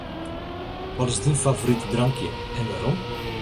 Wat is dyn favorite drankje en wêrom?